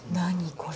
これ。